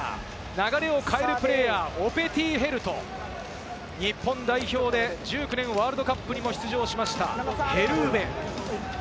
流を変えるプレーヤー、オペティ・ヘルと、日本代表で１９年のワールドカップにも出場しました、ヘル・ウヴェ。